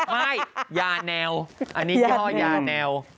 ไม่ยาแนวอันนี้ย่อยาแนว